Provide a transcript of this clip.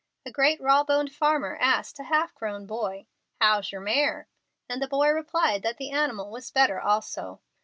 A great raw boned farmer asked a half grown boy, "How's yer mare?" and the boy replied that the animal was better also.